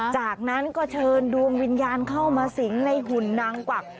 จากนั้นก็เชิญดวงวิญญาณเข้ามาสิงในหุ่นนางกวัก